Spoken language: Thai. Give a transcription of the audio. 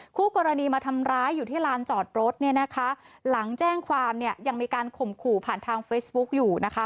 คู่กรณีมาทำร้ายอยู่ที่ลานจอดรถเนี่ยนะคะหลังแจ้งความเนี่ยยังมีการข่มขู่ผ่านทางเฟซบุ๊กอยู่นะคะ